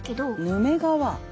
ヌメ革。